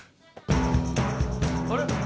あれ？